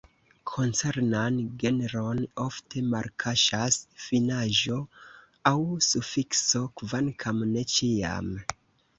Koncernan genron ofte malkaŝas finaĵo aŭ sufikso, kvankam ne ĉiam.